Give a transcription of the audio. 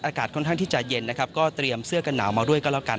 อากาศค่อนข้างที่จะเย็นนะครับก็เตรียมเสื้อกันหนาวมาด้วยก็แล้วกัน